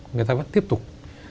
người ta vẫn tiếp tục